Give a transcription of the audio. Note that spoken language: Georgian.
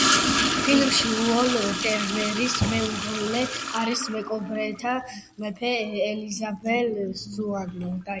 ფილმში უოლ ტერნერის მეუღლე არის მეკობრეთა მეფე ელიზაბეთ სუონი.